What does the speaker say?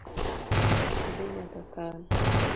Odhi nyaka kan.